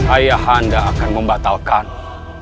ayah anda akan membatalkanmu